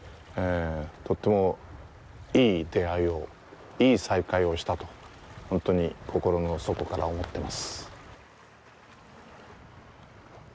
とってもいい出会いを、いい再会をしたと本当に心の底から思ってます。